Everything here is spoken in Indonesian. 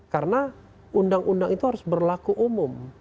karena undang undang itu harus berlaku umum